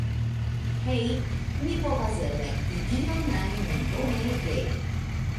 Hej' ni povas elekti ion ajn, bonege